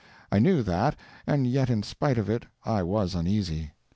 I knew that, and yet in spite of it I was uneasy.